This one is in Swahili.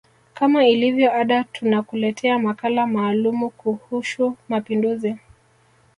kama ilivyo ada tunakuletea makala maalumu kuhushu mapinduzi